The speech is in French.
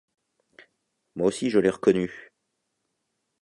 Moi aussi je l’ai reconnu.